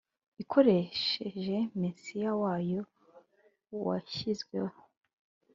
ikoresheje Mesiya wayo washyizweho